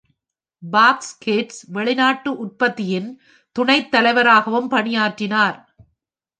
Fox Kids வெளிநாட்டு உற்பத்தியின் துணைத் தலைவராகவும் பணியாற்றினார்.